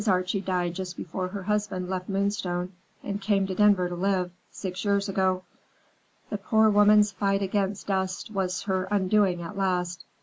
Archie died just before her husband left Moonstone and came to Denver to live, six years ago. The poor woman's fight against dust was her undoing at last.